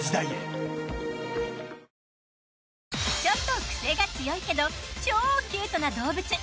ちょっとクセが強いけど超キュートな動物。